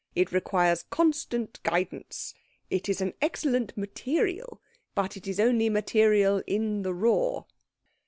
It requires constant guidance. It is an excellent material, but it is only material in the raw."